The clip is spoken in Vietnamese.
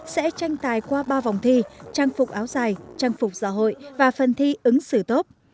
sẽ tranh tài qua ba vòng thi trang phục áo dài trang phục giả hội và phần thi ứng xử tốt